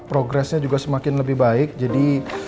progresnya juga semakin lebih baik jadi